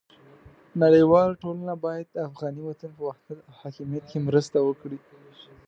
نړیواله ټولنه باید د افغان وطن په وحدت او حاکمیت کې مرسته وکړي.